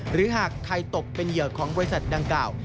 หรือหากใครตกเป็นเหยื่อของบริษัทดังกล่าว